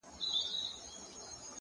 هوښیار انسان د فرصت ارزښت پېژني!.